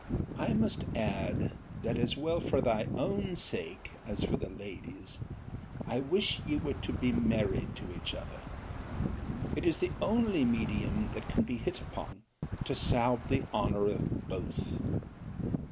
I must add, that, as well for thy own sake, as for the lady's, I wish ye were yet to be married to each other. It is the only medium that can be hit upon to salve the honour of both.